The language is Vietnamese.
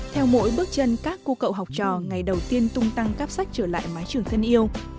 theo mỗi bước chân các cô cậu học trò ngày đầu tiên tung tăng cáp sách trở lại mái trường thân yêu